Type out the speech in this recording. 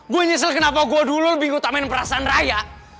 gue nyesel kenapa gue dulu lebih ngutamain perasaan raya